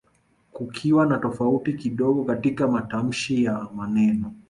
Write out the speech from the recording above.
kukiwa na tofauti kidogo katika matamshi ya maneno